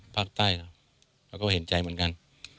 ภาคใต้นะเราก็เห็นใจเหมือนกัน